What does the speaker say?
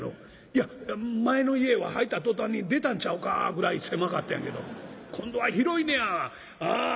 「いや前の家は入った途端に出たんちゃうかぐらい狭かったんやけど今度は広いねや。